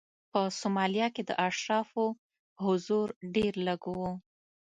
په سومالیا کې د اشرافو حضور ډېر لږ و.